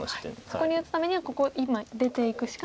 そこに打つためにはここ今出ていくしかないと。